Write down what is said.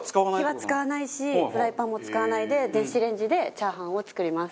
火は使わないしフライパンも使わないで電子レンジでチャーハンを作ります。